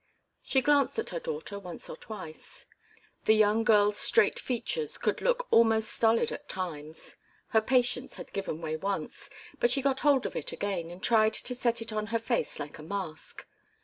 She glanced at her daughter once or twice. The young girl's straight features could look almost stolid at times. Her patience had given way once, but she got hold of it again and tried to set it on her face like a mask.